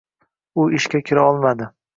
U ishga kira olmadi.